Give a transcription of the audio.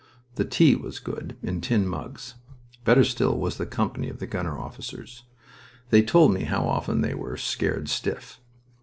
The tea was good, in tin mugs. Better still was the company of the gunner officers. They told me how often they were "scared stiff."